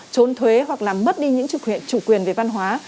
trốn thuế hoặc là mất đi những chủ quyền về văn hóa